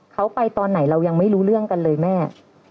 เขาไปตอนไหนเรายังไม่รู้เรื่องกันเลยแม่